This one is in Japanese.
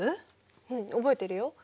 うん覚えてるよ。